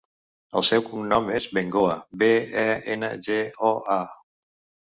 El seu cognom és Bengoa: be, e, ena, ge, o, a.